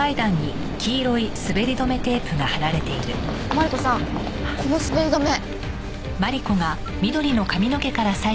マリコさんこの滑り止め。